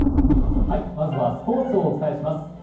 まずはスポーツをお伝えします。